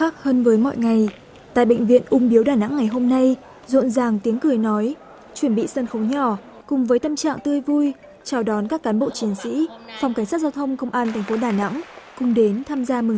các bạn hãy đăng kí cho kênh lalaschool để không bỏ lỡ những video hấp dẫn